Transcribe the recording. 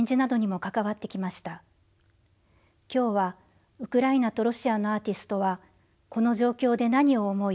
今日はウクライナとロシアのアーティストはこの状況で何を思い